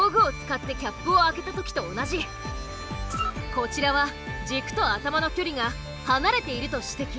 こちらは軸と頭の距離が離れていると指摘。